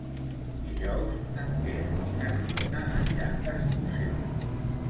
Dijous en Quer i na Fiona aniran d'excursió.